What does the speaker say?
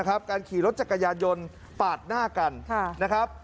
การขี่รถจักรยานยนต์ปาดหน้ากันนะครับ